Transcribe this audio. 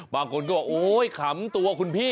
บางคนก็บอกโอ๊ยขำตัวคุณพี่